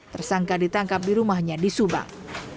tersangka ditangkap di rumahnya di subang